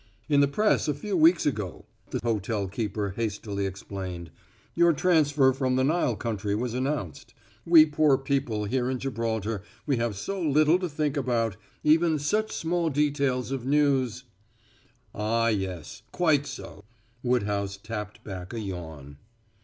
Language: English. "In the press a few weeks ago," the hotel keeper hastily explained. "Your transfer from the Nile country was announced. We poor people here in Gibraltar, we have so little to think about, even such small details of news " "Ah, yes. Quite so." Woodhouse tapped back a yawn.